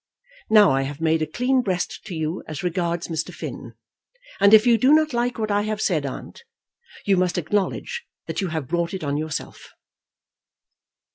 Now I have made a clean breast to you as regards Mr. Finn; and if you do not like what I've said, aunt, you must acknowledge that you have brought it on yourself."